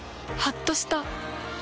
はっとした。